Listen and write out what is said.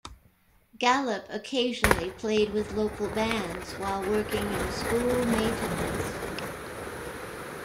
Gallup occasionally played with local bands, while working in school maintenance.